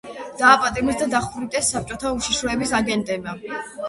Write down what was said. დააპატიმრეს და დახვრიტეს საბჭოთა უშიშროების აგენტებმა.